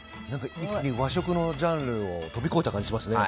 一気に和食のジャンルを飛び越えた感じがしましたね。